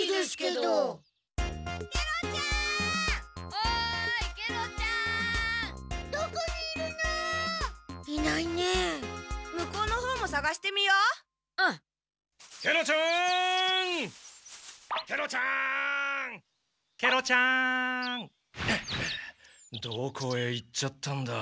どこへ行っちゃったんだ。